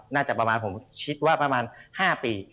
น่าจะประมาณผมคิดว่าประมาณ๕ปี